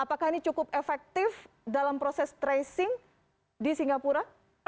apakah ini cukup efektif dalam proses tracing di singapura